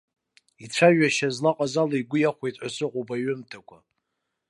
Ицәажәашьа злаҟаз ала, игәы иахәеит ҳәа сыҟоуп аҩымҭақәа.